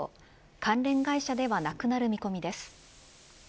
関連会社ではなくなる見込みです。